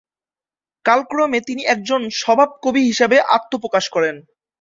কালক্রমে তিনি একজন স্বভাব কবি হিসেবে আত্মপ্রকাশ করেন।